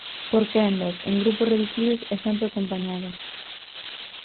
Por quendas, en grupos reducidos e sempre acompañadas.